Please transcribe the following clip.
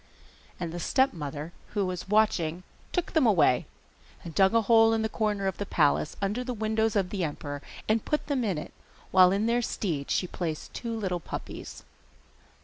And the stepmother, who was watching, took them away, and dug a hole in the corner of the palace, under the windows of the emperor, and put them in it, while in their stead she placed two little puppies.